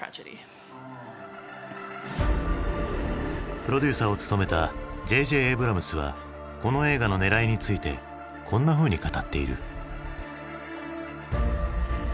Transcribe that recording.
プロデューサーを務めたＪ・Ｊ・エイブラムスはこの映画のねらいについてこんなふうに語っている。